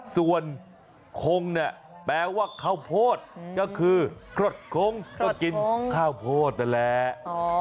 ส่วนคงเนี่ยแปลว่าข้าวโพดก็คือครดคงก็กินข้าวโพดนั่นแหละ